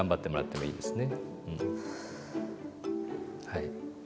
はい。